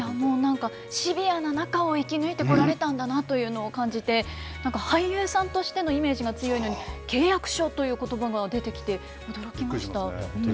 シビアな中を生き抜いてこられたんだなというのを感じて、なんか俳優さんとしてのイメージが強いのに、契約書ということばがびっくりしますね。